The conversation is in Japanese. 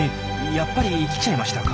やっぱり来ちゃいましたか。